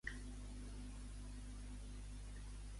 En quin altre animal van metamorfosejar-se?